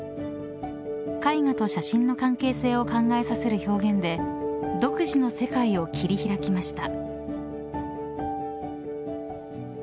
絵画と写真の関係性を考えさせる表現で独自の世界を切り開きました。